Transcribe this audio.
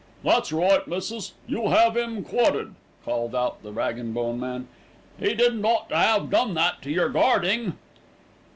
"That's right, missis, you 'ave 'im quodded," called out the rag and bone man. "'E didn't ought to 'ave done that to your garding."